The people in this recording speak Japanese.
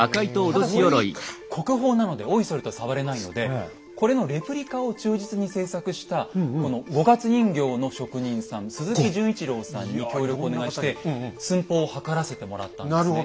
ただこれ国宝なのでおいそれと触れないのでこれのレプリカを忠実に製作したこの五月人形の職人さん鈴木順一朗さんに協力をお願いして寸法を測らせてもらったんですね。